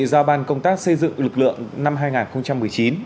giao ban công tác xây dựng lực lượng năm hai nghìn một mươi chín